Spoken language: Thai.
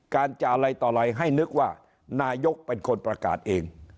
การจะอะไรต่ออะไรให้นึกว่านายกเป็นคนประกาศเอง